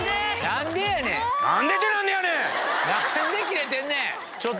何でキレてんねん！